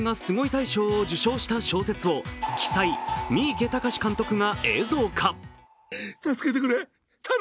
大賞を受賞した小説を鬼才・三池崇史監督が映像化。